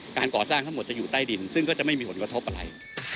การก่อสร้างทั้งหมดจะอยู่ใต้ดินซึ่งก็จะไม่มีผลกระทบอะไร